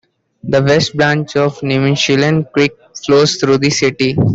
The West Branch of Nimishillen Creek flows through the city.